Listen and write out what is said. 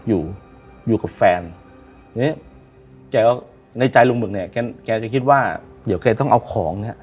อยู่อยู่กับแฟนเนี้ยแกในใจลุงหึกเนี่ยแกจะคิดว่าเดี๋ยวแกต้องเอาของเนี้ย